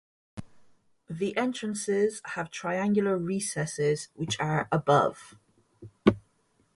The entrances have triangular recesses which are above.